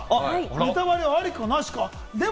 ネタバレありかなしか。